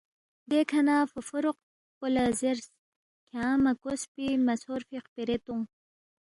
دیکھہ نہ فو فوروق پو لہ زیرس، کھیانگ مہ کوسپے مہ ژھورفے خپیرے تونگ